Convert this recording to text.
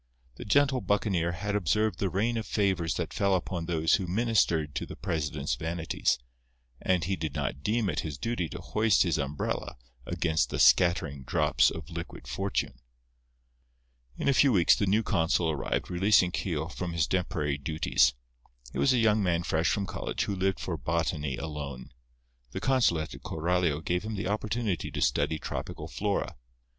The gentle buccaneer had observed the rain of favors that fell upon those who ministered to the president's vanities, and he did not deem it his duty to hoist his umbrella against the scattering drops of liquid fortune. In a few weeks the new consul arrived, releasing Keogh from his temporary duties. He was a young man fresh from college, who lived for botany alone. The consulate at Coralio gave him the opportunity to study tropical flora.